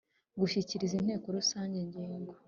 Gushyikiriza Inteko Rusange ingingo